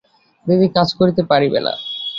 দিদি কাজ করিতে পারিবে না।